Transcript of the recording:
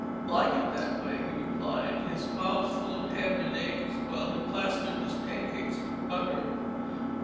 "Like it that way," he replied, his mouth full of ham and eggs, while he plastered his pancakes with butter.